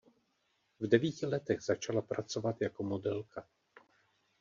V devíti letech začala pracovat jako modelka.